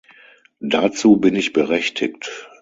Dazu bin ich berechtigt.